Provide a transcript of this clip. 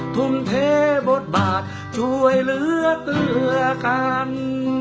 ทุ่มเทบทบาทช่วยเหลือเกลือกัน